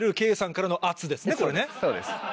そうです。